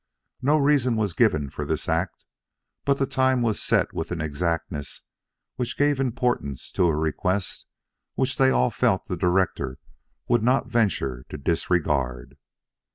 No reason was given for this act, but the time was set with an exactness which gave importance to a request which they all felt the director would not venture to disregard.